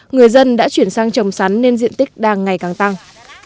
người dân đã chuyển sang trồng sắn nên diện tích đang ngày càng tăng